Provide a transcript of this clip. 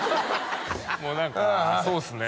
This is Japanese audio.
もう何かそうっすねああ